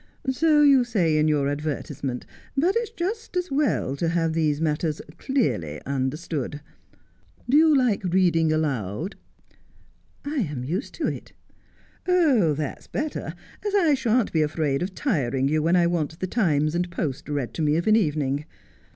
' So you say in your advertisement ; but it's just as well to have these matters clearly understood. Do you like reading aloud 1 '' I am used to it.' ' That's better, as I shan't be afraid of tiring you when I want the Times and Post read to me of an evening.